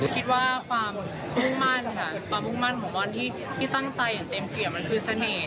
คิดว่าความวุ่งมั่นของมอนด์ที่ตั้งใจอย่างเต็มเกิดคือเสน่ห์